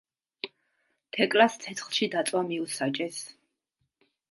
თეკლას ცეცხლში დაწვა მიუსაჯეს.